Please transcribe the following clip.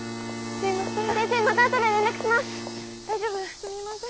すみません。